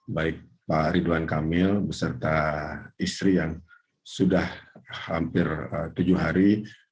baik pak ridwan kamil beserta istri yang sudah hampir tujuh hari